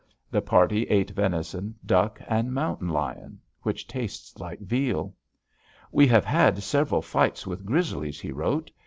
The party ate venison, duck, and mountain lion which tastes like veal. "We have had several fights with grizzlies," he wrote.